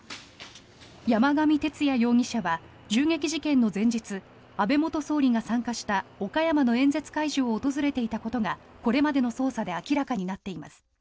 山上徹也容疑者は銃撃事件の前日安倍元総理が参加した岡山の演説会場を訪れていたことがこれまでの捜査で明らかになっています。